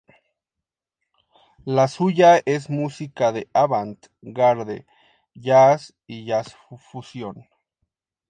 La suya es música de "avant-garde"-jazz y jazz fusión.